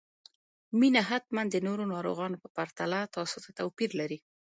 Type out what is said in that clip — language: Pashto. مينه حتماً د نورو ناروغانو په پرتله تاسو ته توپير لري